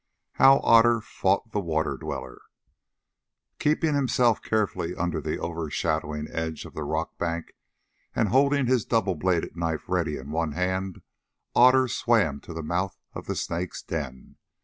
HOW OTTER FOUGHT THE WATER DWELLER Keeping himself carefully under the overshadowing edge of the rock bank, and holding his double bladed knife ready in one hand, Otter swam to the mouth of the Snake's den.